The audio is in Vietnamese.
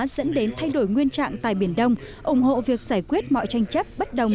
dẫn đến thay đổi nguyên trạng tại biển đông ủng hộ việc giải quyết mọi tranh chấp bất đồng